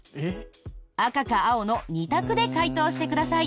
赤か青の２択で解答してください。